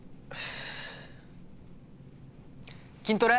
筋トレ？